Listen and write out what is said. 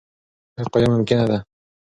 وقایه ممکنه ده.